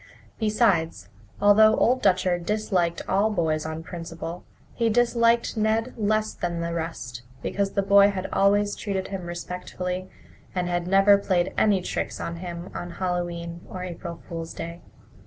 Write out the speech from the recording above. Besides, although Old Dutcher disliked all boys on principle, he disliked Ned less than the rest because the boy had always treated him respectfully and had never played any tricks on him on Hallowe'en or April Fool's Day.